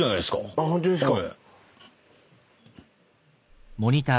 あっホントですか？